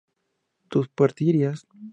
tú partirías